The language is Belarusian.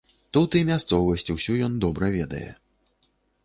Тут і мясцовасць усю ён добра ведае.